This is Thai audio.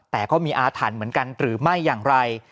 แต่ก็มีอาถรรพ์เหมือนกันหรือไม่อย่างไร